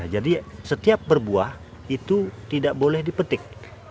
jadi setiap berbuah itu tidak boleh dipetik